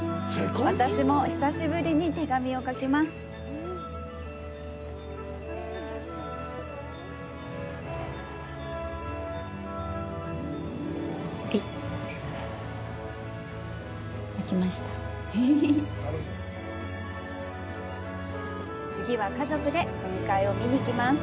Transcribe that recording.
私も久しぶりに手紙を書きます。